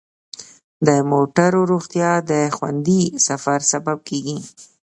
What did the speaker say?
د موټرو روغتیا د خوندي سفر سبب کیږي.